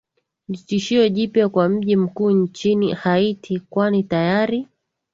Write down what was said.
ni tisho jipya kwa mji mkuu nchini haiti kwani tayari